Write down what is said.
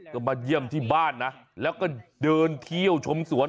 ก็มาเยี่ยมที่บ้านนะแล้วก็เดินเที่ยวชมสวน